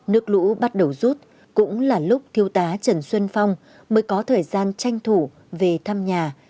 nước lũ bắt đầu rút cũng là lúc thiếu tá trần xuân phong mới có thời gian tranh thủ về thăm nhà